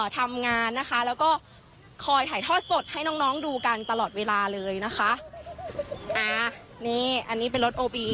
ถ่ายทอดสดให้น้องน้องดูกันตลอดเวลาเลยนะคะอ่านี่อันนี้เป็นรถโอบี